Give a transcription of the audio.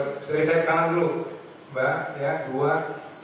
jadi sebenarnya berapa daerah yang sudah mempunyai vaksin palsu